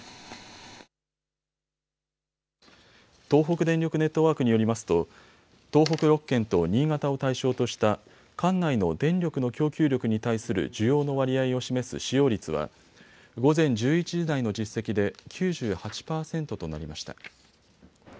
東北電力ネットワークによりますと東北６県と新潟を対象とした管内の電力の供給力に対する需要の割合を示す使用率は午前１１時台の実績で９８％となりました。